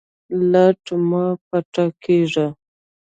لټ مه پاته کیږئ